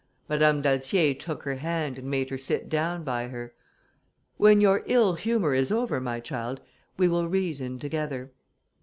Madame d'Altier took her hand, and made her sit down by her. "When your ill humour is over, my child, we will reason together."